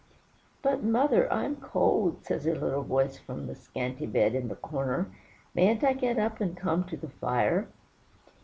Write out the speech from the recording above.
"But, mother, I'm cold," says a little voice from the scanty bed in the corner; "mayn't I get up and come to the fire?"